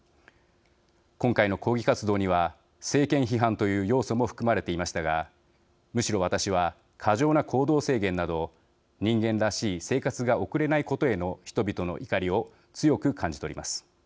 今回の抗議活動には政権批判という要素も含まれていましたがむしろ私は、過剰な行動制限など人間らしい生活が送れないことへの人々の怒りを強く感じ取ります。